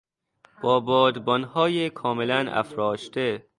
با بادبانهای کاملا افراشته